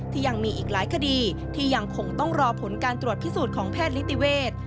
ยังมีอีกหลายคดีที่ยังคงต้องรอผลการตรวจพิสูจน์ของแพทย์นิติเวทย์